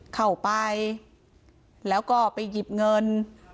เข้าไปแล้วก็ไปหยิบเงิน